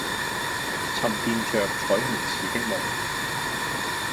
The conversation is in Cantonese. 沉澱著彩虹似的夢